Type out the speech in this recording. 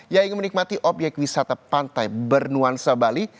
yang ingin menikmati obyek wisata pantai bernuansa bali